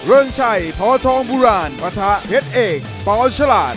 เรื่องชัยพทบุราณประทะเทศเอกปชลาด